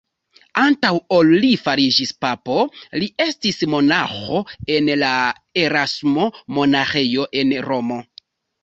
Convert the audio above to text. Antaŭ ol li fariĝis papo, li estis monaĥo en la Erasmo-monaĥejo en Romo.